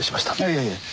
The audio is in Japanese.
いえいえ。